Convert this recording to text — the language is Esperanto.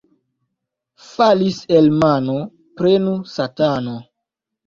Falis el mano — prenu satano.